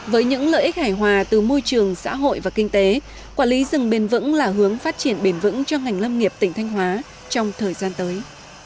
với những lợi ích hải hòa từ môi trường xã hội và kinh tế quản lý rừng bền vững là hướng phát triển bền vững cho ngành lâm nghiệp tỉnh thanh hóa trong thời gian tới